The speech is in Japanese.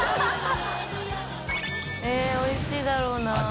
えっおいしいだろうな。